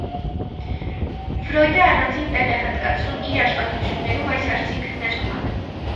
Ֆրոյդը առանձին տեղ է հատկացնում իր աշխատություններում այս հարցի քննարկմանը։